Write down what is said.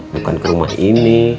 bukan ke rumah ini